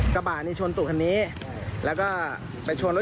คนขับ